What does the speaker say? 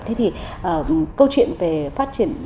thế thì câu chuyện về phát triển